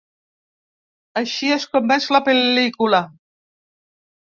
Així és com veig la pel·lícula.